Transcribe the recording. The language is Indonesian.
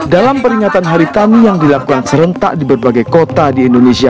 dalam peringatan hari tami yang dilakukan serentak di berbagai kota di indonesia